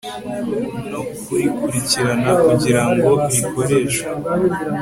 no kurikurikirana kugira ngo rikoreshwe